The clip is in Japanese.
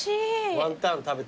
ワンタン食べて。